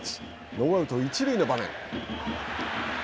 ノーアウト、一塁の場面。